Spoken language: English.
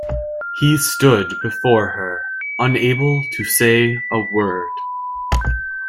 He stood before her, unable to say a word.